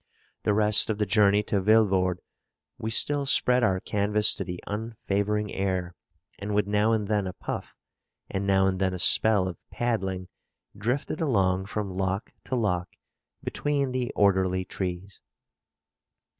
The rest of the journey to Villevorde, we still spread our canvas to the unfavouring air; and with now and then a puff, and now and then a spell of paddling, drifted along from lock to lock, between the orderly trees.